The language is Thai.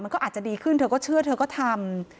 ก็อาจจะดีขึ้นเธอก็เชื่อเธอก็ทำ